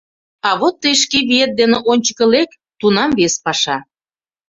А вот тый шке виет дене ончыко лек, тунам вес паша.